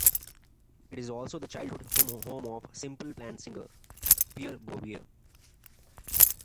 It is also the childhood home of Simple Plan singer Pierre Bouvier.